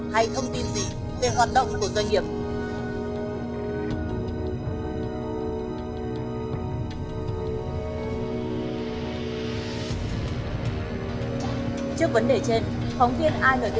hay thông tin gì về hoạt động của doanh nghiệp ừ ừ